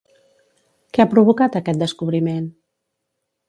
Què ha provocat aquest descobriment?